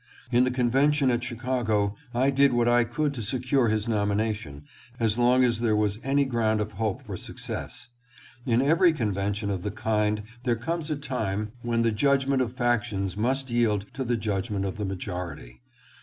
In the con vention at Chicago I did what I could to secure his nomination, as long as there was any ground of hope for success. In every convention of the kind there comes a time when the judgment of factions must yield to the judgment of the majority.